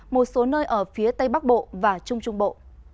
một số nơi ở phía tây bắc bộ và trung trung bộ